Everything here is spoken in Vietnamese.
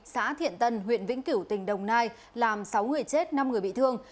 xã thiện tân huyện vĩnh kiểu tỉnh đồng nai làm sáu người chết năm người bị thương